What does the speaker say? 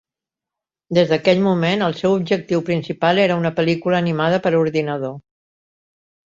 Des d'aquell moment, el seu objectiu principal era una pel·lícula animada per ordinador.